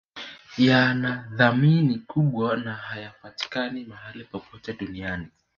Yanathamani kubwa na hayapatikani mahali popote duniani